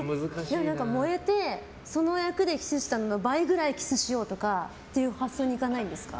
燃えてその役でキスしたのの倍くらいキスしようとかっていう発想にいかないんですか？